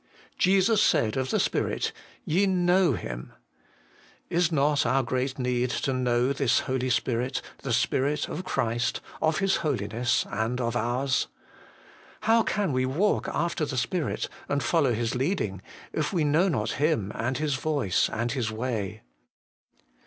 Jesus said of the Spirit, ' Ye know Him.' Is not our great need to know this Holy Spirit, the Spirit of Christ, of His Holiness and of ours ? How can we ' walk after the Spirit ' and follow His leading, if we know not Him and His voice and His way